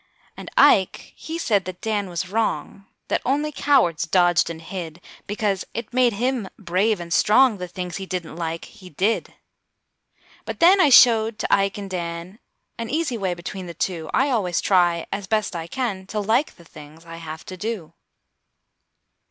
And Ike, he said that Dan was wrong; That only cowards dodged and hid. Because it made him brave and strong, The things he didn't like, he did! But then I showed to Ike and Dan An easy way between the two: I always try, as best I can, To like the things I have to do.